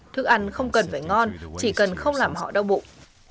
thức ăn không cần phải ngon chỉ cần không làm họ đau bụng